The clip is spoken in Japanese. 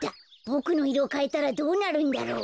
ボクのいろをかえたらどうなるんだろう。